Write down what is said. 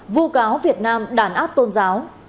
vụ cáo việt nam đàn áp tôn giáo